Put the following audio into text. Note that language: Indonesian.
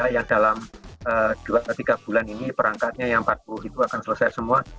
yang dalam dua tiga bulan ini perangkatnya yang patuh itu akan selesai semua